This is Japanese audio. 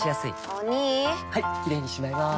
お兄はいキレイにしまいます！